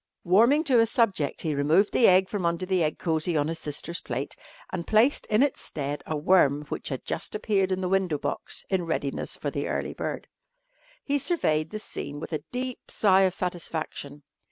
Warming to his subject he removed the egg from under the egg cosy on his sister's plate and placed in its stead a worm which had just appeared in the window box in readiness for the early bird. He surveyed the scene with a deep sigh of satisfaction.